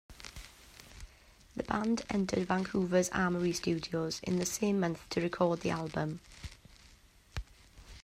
The band entered Vancouver's Armoury Studios in the same month to record the album.